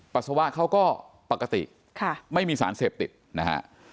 ปัสสาวะเขาก็ปกติไม่มีสารเสพติดนะฮะ